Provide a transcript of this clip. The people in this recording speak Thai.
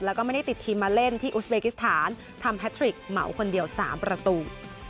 แล้วก็ไม่ได้ติดทีมมาเล่นที่อุสเบกิสถานทำแพทริกเหมาคนเดียว๓ประตู